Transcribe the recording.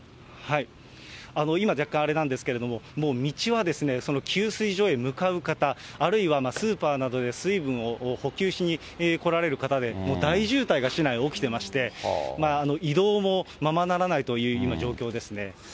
今、若干あれなんですけれども、もう道は給水所に向かう方、あるいはスーパーなどへ水分を補給しに来られる方で、大渋滞が市内起きてまして、移動もままならないという今、状況ですね。